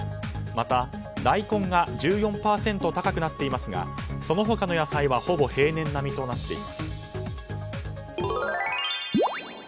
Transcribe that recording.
また、大根が１４％高くなっていますがその他の野菜はほぼ平年並みとなっています。